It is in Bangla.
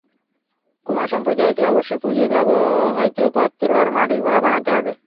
কুমার সম্প্রদায়কে অবশ্যই পূজায় ব্যবহৃত পাত্র আর মাটির ঘোড়া বানাতে হবে।